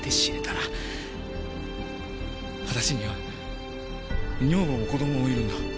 私には女房も子供もいるんだ。